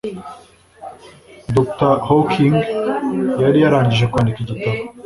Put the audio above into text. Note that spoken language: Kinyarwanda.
Dr. Hawking yari yarangije kwandika igitabo.